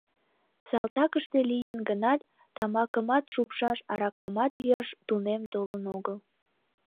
Салтакыште лийын гынат, тамакымат шупшаш, аракамат йӱаш тунем толын огыл.